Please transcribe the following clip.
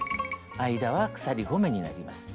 間は鎖５目になります。